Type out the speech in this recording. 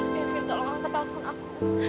kevin tolong angkat telfon aku